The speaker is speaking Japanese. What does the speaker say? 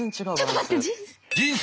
ちょっと待って人生。